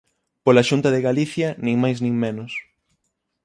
Pola Xunta de Galicia, nin máis nin menos.